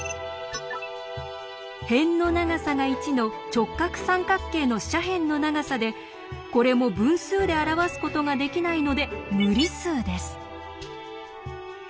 辺の長さが１の直角三角形の斜辺の長さでこれも分数で表すことができないので無理数です。